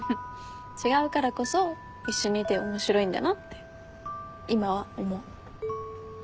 違うからこそ一緒にいて面白いんだなって今は思う。